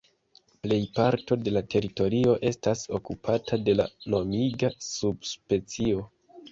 Plej parto de la teritorio estas okupata de la nomiga subspecio.